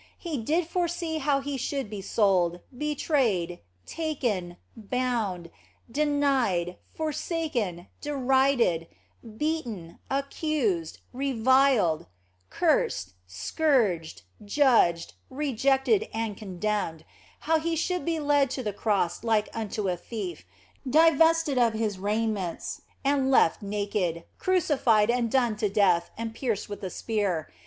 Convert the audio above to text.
He did foresee how He should be sold, betrayed, taken, bound, denied, forsaken, derided, beaten, accused, reviled, cursed, scourged, judged, re jected, and condemned, how He should be led to the Cross like unto a thief, divested of His raiment and left naked, crucified and done to death and pierced with a spear.